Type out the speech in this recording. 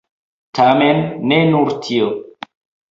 Tamen ne nur tio.